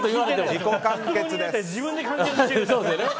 自己完結です。